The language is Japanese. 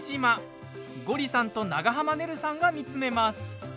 ゴリさんと長濱ねるさんが見つめます。